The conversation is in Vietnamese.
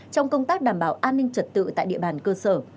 trong công tác đảm bảo an ninh trật tự tại địa bàn cơ sở